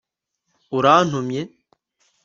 Urantumye